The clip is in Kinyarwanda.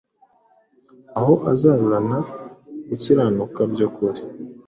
ahubwo azazana gukiranuka by’ukuri.